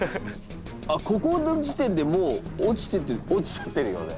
あっここの時点でもう落ちてて落ちちゃってるよね？